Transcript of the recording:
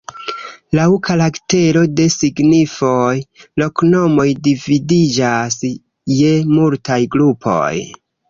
Laŭ karaktero de signifoj, loknomoj dividiĝas je multaj grupoj.